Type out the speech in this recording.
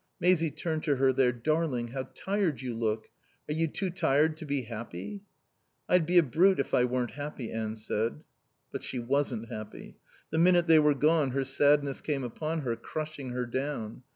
Maisie turned to her there. "Darling, how tired you look. Are you too tired to be happy?" "I'd be a brute if I weren't happy," Anne said. But she wasn't happy. The minute they were gone her sadness came upon her, crushing her down.